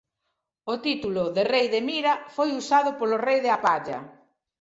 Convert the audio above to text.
O título de rei de Mira foi usado polo rei de Hapalla.